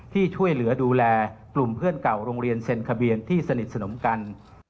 ที่ช่วยเหลือดูแลกลุ่มเพื่อนเก่าโรงเรียนเซ็นทะเบียนที่สนิทสนมกัน